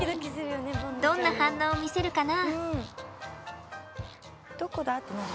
どんな反応を見せるかな？